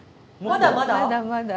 まだまだ。